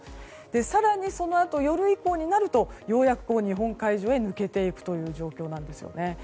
更に、そのあと夜以降になるとようやく日本海上へ抜けていくという状況なんですよね。